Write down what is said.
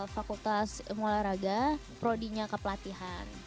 fakultas olahraga prodinya kepelatihan